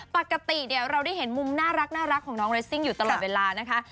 ปกติเนี่ยเราได้เห็นมุมน่ารักของน้องเรสซิ่งอยู่ตลอดเวลานะคะ